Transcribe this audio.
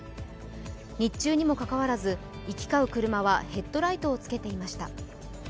日中にもかかわらず行き交う車はヘッドライトをつけていました。